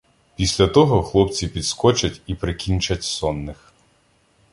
Після того хлопці підскочать і прикінчать сонних.